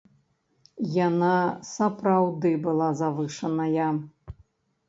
Яна сапраўды была завышаная.